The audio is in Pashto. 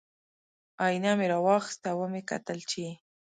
ائینه مې را واخیسته او ومې کتل چې